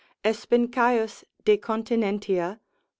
Espencaeus de continentia, lib.